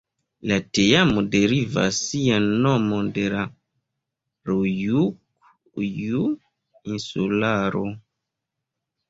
La teamo derivas sian nomon de la Rjukju-insularo.